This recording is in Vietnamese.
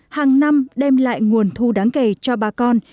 hàng năm đem lại nguồn thu đáng kể cho bà con